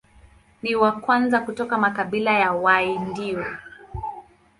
Ni wa kwanza kutoka makabila ya Waindio.